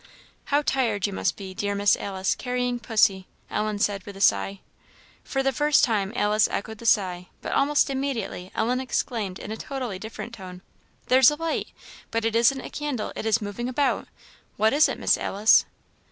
"How tired you must be, dear Miss Alice, carrying pussy!" Ellen said, with a sigh. For the first time Alice echoed the sigh; but almost immediately Ellen exclaimed in a totally different tone, "There's a light! but it isn't a candle it is moving about; what is it, Miss Alice?"